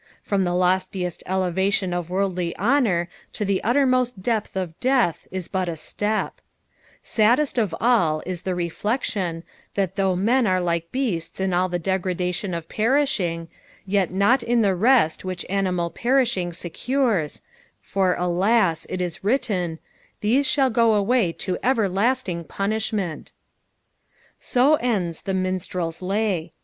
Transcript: From the loftiest cIc7atioa of worldly honour to the utterrnost depth of death is but a step Saddest of all is the reBection, that though men are like beaste in all the degradation of perishing, yet not in the rest which animal perishing secures, for, alas t it is written, " These shall go away into everlasting punisbment." So ends the minstrel's lay.